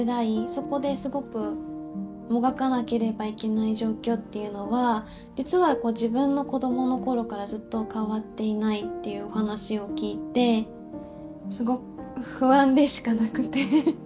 そこですごくもがかなければいけない状況っていうのは実は自分の子どものころからずっと変わっていないっていうお話を聞いてすごく不安でしかなくて。